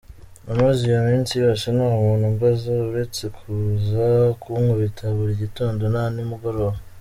Namaze iyo minsi yose ntamuntu umbaza, uretse kuza kunkubita buri gitondo na nimugoroba”.